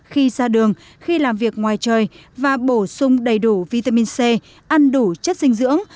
khi ra đường khi làm việc ngoài trời và bổ sung đầy đủ vitamin c ăn đủ chất dinh dưỡng